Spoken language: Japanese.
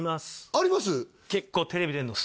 あります？